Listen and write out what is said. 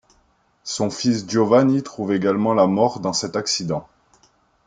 Son fils Giovanni trouve également la mort dans cet accident.